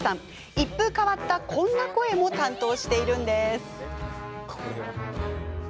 一風変わったこんな声も担当しているんです。